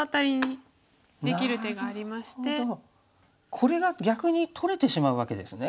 これが逆に取れてしまうわけですね。